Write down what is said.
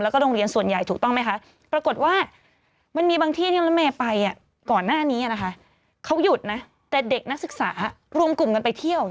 ก่อนหน้านี้นะคะเขาหยุดนะแต่เด็กนักศึกษารวมกลุ่มกันไปเที่ยว